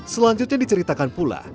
selanjutnya diceritakan pula